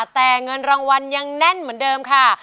แต่เงินรางวัลยังแน่นเหมือนเดิมค่ะ